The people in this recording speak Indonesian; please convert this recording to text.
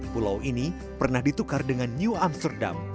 pulau ini pernah ditukar dengan new amsterdam